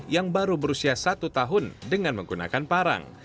yang baru berusia satu tahun dengan menggunakan parang